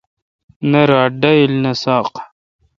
نہ رات ڈاییل نہ ساق۔